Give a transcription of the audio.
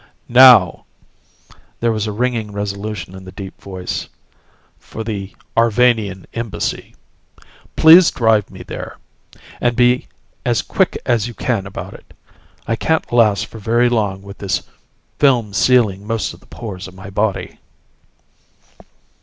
"Now," there was ringing resolution in the deep voice "for the Arvanian Embassy. Please drive me there and be as quick as you can about it. I can't last very long with this film sealing most of the pores of my body."